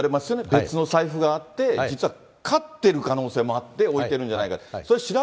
別の財布があって、実は勝ってる可能性もあって、おいてるんじゃないか。